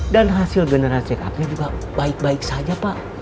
dan hasil generasi kap juga baik baik saja pak